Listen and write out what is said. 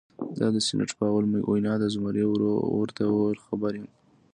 دا د سینټ پاول وینا ده، زمري ورو ورته وویل: خبر یم.